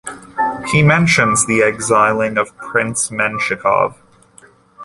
He mentions the exiling of Prince Menshikov.